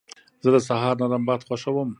زه د سهار نرم باد خوښوم.